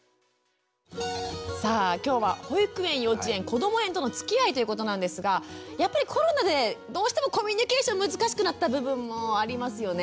さあ今日は保育園幼稚園こども園とのつきあいということなんですがやっぱりコロナでどうしてもコミュニケーション難しくなった部分もありますよね。